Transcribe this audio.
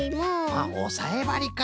あっおさえばりか。